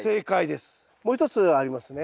もう一つありますね。